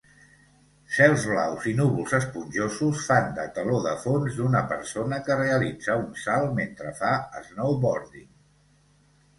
Cels blaus i núvols esponjosos fan de teló de fons d'una persona que realitza un salt mentre fa snowboarding.